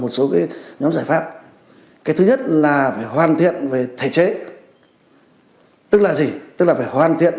một số cái nhóm giải pháp cái thứ nhất là phải hoàn thiện về thể chế tức là gì tức là phải hoàn thiện